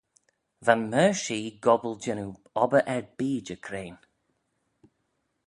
Va'n meoir-shee gobbal jannoo obbyr erbee Jecrean.